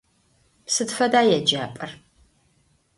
Сыд фэда еджапӏэр?